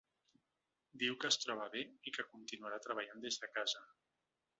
Diu que es troba bé i que continuarà treballant des de casa.